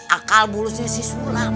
akal bulusnya si sulam